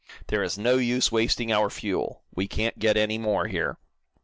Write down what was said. There is no use wasting our fuel. We can't get any more here."